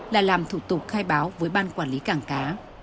là làm thủ tục khai báo với ban quản lý cảng cá